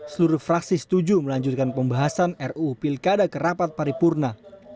seluruh fraksi setuju melanjutkan pembahasan ruu pilkada ke rapat paripurna